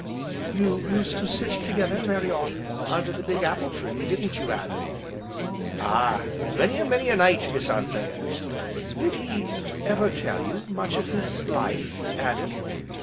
"You used to sit together very often under the big apple tree, didn't you, Adam?" "Ah! many an' many a night, Miss Anthea." "Did he ever tell you much of his life, Adam?"